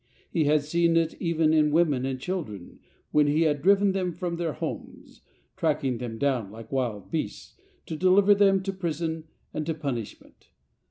He had seen it even in women and children when he had driven them from their homes, tracking them down like wild beasts, to deliver them to prison and to punishment.